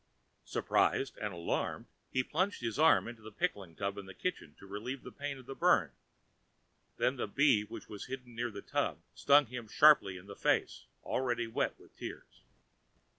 Surprised and alarmed, he plunged his arm into the pickle tub in the kitchen to relieve the pain of the burn. Then the bee which was hidden near the tub stung him sharply in his face, already wet with tears.